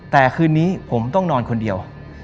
แต่คืนนี้ผมต้องนอนคนเดียว